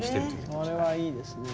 これはいいですね。